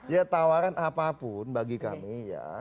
ya tawaran apapun bagi kami ya